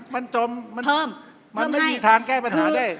มันจมมันไม่มีทางแก้ปัญหาได้